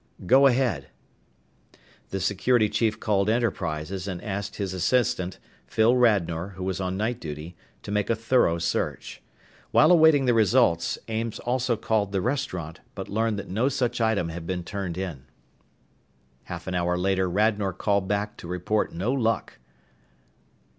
"Go ahead." The security chief called Enterprises and asked his assistant, Phil Radnor, who was on night duty, to make a thorough search. While awaiting the results, Ames also called the restaurant, but learned that no such item had been turned in. Half an hour later Radnor called back to report no luck.